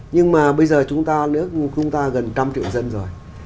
nhưng mà bây giờ chúng ta gần trăm triệu dân rồi